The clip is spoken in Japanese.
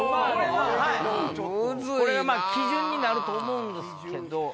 これは基準になると思うんですけど。